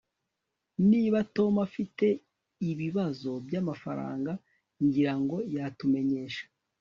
niba tom afite ibibazo byamafaranga, ngira ngo yatumenyesha